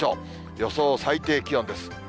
予想最低気温です。